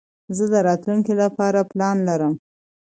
زه د راتلونکي له پاره پلان لرم.